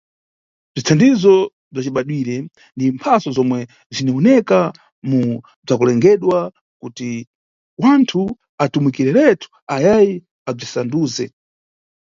Bzithandizo bzacibadwire ni mphatso zomwe ziniwoneka mu bzakulengedwa kuti wanthu atumikireretu ayayi abzisanduse.